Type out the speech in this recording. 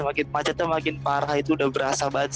macetnya makin parah itu udah berasa banget sih